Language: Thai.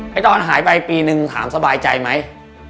ตอนหายไปปีนึงถามสบายใจไหม